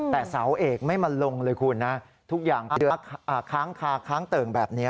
แต่เสาเอกไม่มาลงเลยคุณนะทุกอย่างค้างคาค้างเติ่งแบบนี้